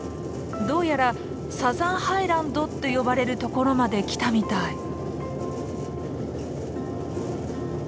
どうやらサザンハイランドって呼ばれるところまで来たみたい。